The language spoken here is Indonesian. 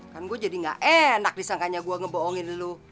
kan gue jadi nggak enak disangkanya gue ngebohongin lu